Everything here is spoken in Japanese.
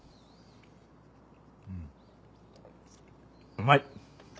うまい！